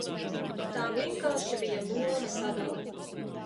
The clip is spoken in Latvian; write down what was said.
Tā vienkārši bija loma sadale.